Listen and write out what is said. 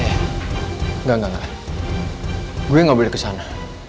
eh enggak enggak enggak gue gak boleh kesana